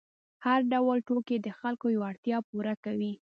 هر ډول توکي د خلکو یوه اړتیا پوره کوي.